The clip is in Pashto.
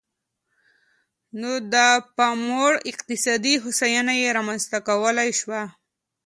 نو د پاموړ اقتصادي هوساینه یې رامنځته کولای شوه.